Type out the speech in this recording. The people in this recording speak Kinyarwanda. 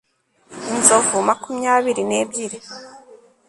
inzovu makumyabiri n'ebyiri